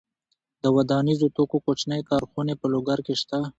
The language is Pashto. د ودانیزو توکو کوچنۍ کارخونې په لوګر کې شته.